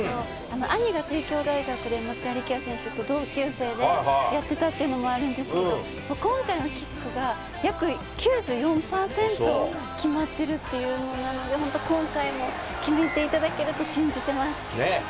兄が帝京大学で松田選手と同級生でやっていたというのもあるんですけれども、今回のキックが約９４％決まっているということなので、今回も決めていただけると信じています。